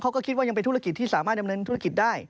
เขาก็คิดว่ายังเป็นธุรกิจที่สามารถดำเนินธุรกิจได้